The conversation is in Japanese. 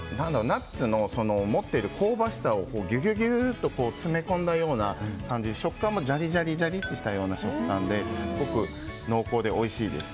ナッツの持っている香ばしさをギュギュッと詰め込んだような感じで食感もジャリジャリとした食感ですごく濃厚でおいしいです。